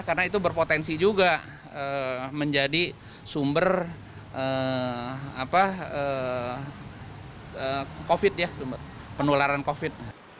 karena itu berpotensi juga menjadi sumber covid ya penularan covid